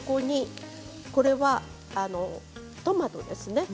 これはトマトですね。